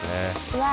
うわ